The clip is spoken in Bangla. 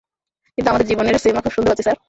কিন্তু আমাদের জীবনের সিনেমা খুব সুন্দর হচ্ছে, স্যার।